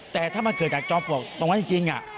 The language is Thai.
แต่ถ้ามาเกิดจากจอมปวกตรงวันจริงนี้